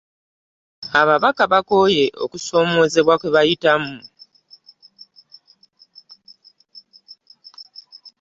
Ababaka baloopye okusoomoozebwa kwe bayitamu.